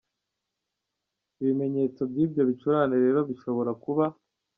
Ibimenyetso by’ibyo bicurane rero bishobora kuba:.